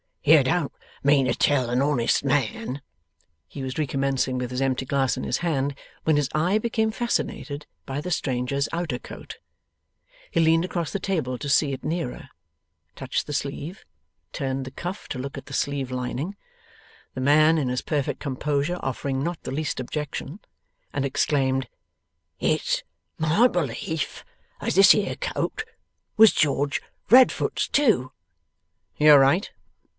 'You don't mean to tell a honest man ' he was recommencing with his empty glass in his hand, when his eye became fascinated by the stranger's outer coat. He leaned across the table to see it nearer, touched the sleeve, turned the cuff to look at the sleeve lining (the man, in his perfect composure, offering not the least objection), and exclaimed, 'It's my belief as this here coat was George Radfoot's too!' 'You are right.